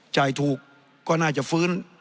จ่ายถูกก็น่าจะฟื้น